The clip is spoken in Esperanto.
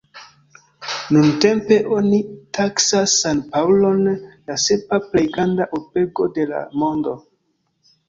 Nuntempe oni taksas San-Paŭlon la sepa plej granda urbego de la mondo.